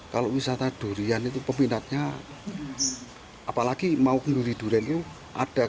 kalau wisata durian itu peminatnya apalagi mau penduri durian itu ada